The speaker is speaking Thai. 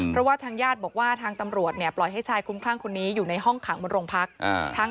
เพราะว่าทางญาติบอกว่าทางตำรวจปล่อยให้ชายคุ้มคลั่งคนนี้อยู่ในห้องขังบนโรงพัก